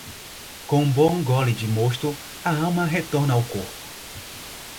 Com um bom gole de mosto, a alma retorna ao corpo.